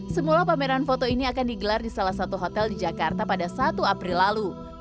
semula pameran foto ini akan digelar di salah satu hotel di jakarta pada satu april lalu